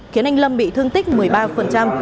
khiến anh lâm bị thương tích một mươi ba